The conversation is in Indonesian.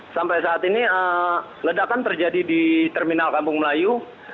sampai saat ini ledakan terjadi di terminal kampung melayu